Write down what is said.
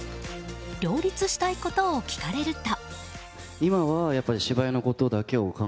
両立したいことを聞かれると。